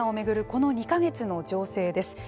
この２か月の情勢です。